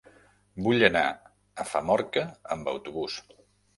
Vull anar a Famorca amb autobús.